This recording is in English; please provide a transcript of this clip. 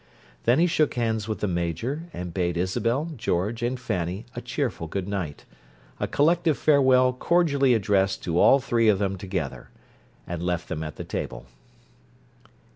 Then he shook hands with the Major, and bade Isabel, George, and Fanny a cheerful good night—a collective farewell cordially addressed to all three of them together—and left them at the table.